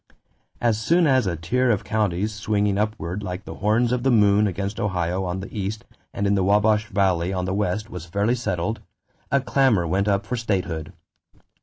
As soon as a tier of counties swinging upward like the horns of the moon against Ohio on the east and in the Wabash Valley on the west was fairly settled, a clamor went up for statehood.